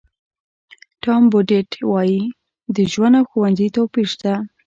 ټام بوډیټ وایي د ژوند او ښوونځي توپیر شته.